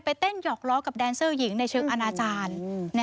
เต้นหอกล้อกับแดนเซอร์หญิงในเชิงอาณาจารย์